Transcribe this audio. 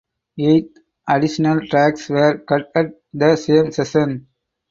Eight additional tracks were cut at the same session.